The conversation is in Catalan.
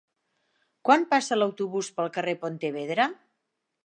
Quan passa l'autobús pel carrer Pontevedra?